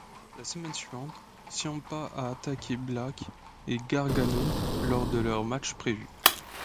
La semaine suivante, Ciampa a attaqué Black et Gargano lors de leur match prévu.